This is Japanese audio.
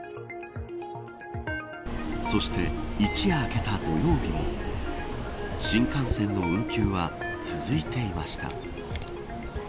そして、一夜明けた土曜日も新幹線の運休は続いていました。